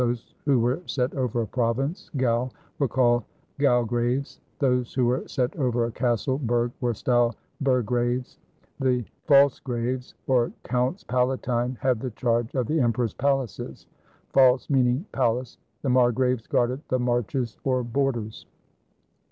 Those who were set over a province (gau) were called Gaugraves; those who were set over a castle (burg) were styled Bur graves; the Pfalzgraves, or Counts Palatine, had the charge of the Emperor's palaces — pjalz meaning pal ace. The Margraves guarded the Marches or borders.